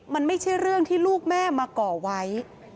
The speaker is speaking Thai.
มันไม่ใช่เรื่องที่ลูกแม่มาก่อไว้